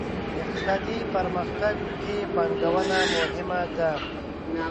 اقتصادي پرمختګ کې پانګونه مهمه ده.